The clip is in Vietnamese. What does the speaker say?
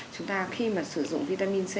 chúng ta khi mà sử dụng vitamin c